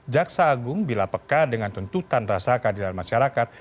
jaksa agung bila peka dengan tuntutan rasakan di dalam masyarakat